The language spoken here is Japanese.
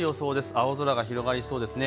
青空が広がりそうですね。